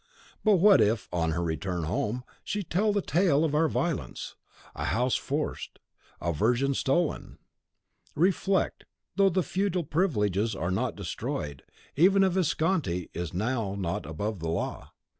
"But what if, on her return home, she tell the tale of our violence? A house forced, a virgin stolen! Reflect; though the feudal privileges are not destroyed, even a Visconti is not now above the law."